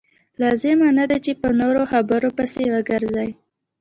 لازمه نه ده چې په نورو خبرو پسې وګرځئ.